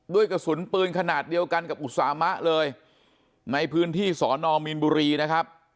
กระสุนปืนขนาดเดียวกันกับอุตสามะเลยในพื้นที่สอนอมีนบุรีนะครับ